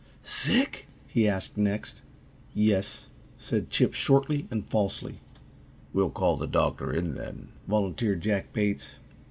"Sick?" He asked next. "Yes!" said Chip, shortly and falsely. "We'll call the doctor in, then," volunteered Jack Bates.